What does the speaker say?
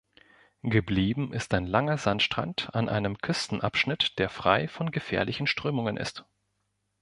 Geblieben ist ein langer Sandstrand an einem Küstenabschnitt, der frei von gefährlichen Strömungen ist.